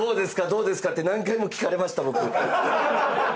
どうですか？」って何回も聞かれました僕。